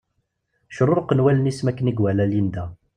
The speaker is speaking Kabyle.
Cruṛqent wallen-is makken iwala Linda.